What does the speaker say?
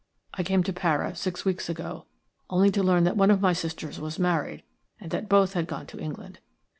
I came to Para six weeks ago, only to learn that one of my sisters was married and that both had gone to England.